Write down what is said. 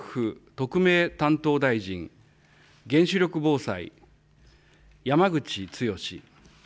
特命担当大臣、原子力防災、山口壯。